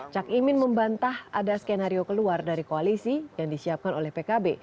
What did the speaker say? cak imin membantah ada skenario keluar dari koalisi yang disiapkan oleh pkb